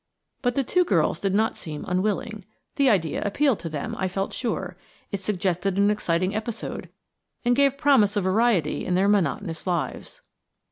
But the two girls did not seem unwilling. The idea appealed to them, I felt sure; it suggested an exciting episode, and gave promise of variety in their monotonous lives.